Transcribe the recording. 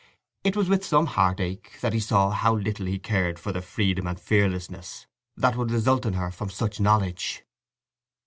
It was with some heartache that he saw how little he cared for the freedom and fearlessness that would result in her from such knowledge.